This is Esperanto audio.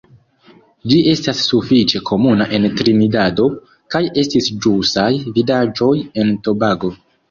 Ĝi estas sufiĉe komuna en Trinidado, kaj estis ĵusaj vidaĵoj en Tobago.